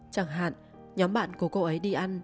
chẳng hạn nhóm bạn của cô ấy đi ăn